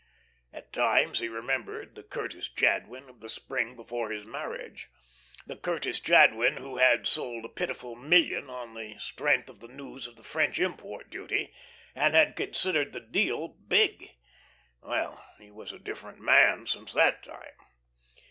At times he remembered the Curtis Jadwin of the spring before his marriage, the Curtis Jadwin who had sold a pitiful million on the strength of the news of the French import duty, and had considered the deal "big." Well, he was a different man since that time.